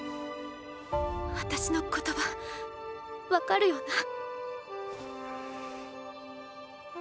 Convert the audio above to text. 私の言葉分かるよな？